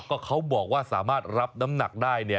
ก็เขาบอกว่าสามารถรับน้ำหนักได้เนี่ย